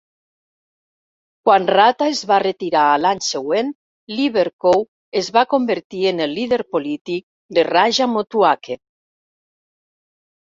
Quan Rata es va retirar a l'any següent, Lee-Vercoe es va convertir en el líder polític de Raja Motuhake.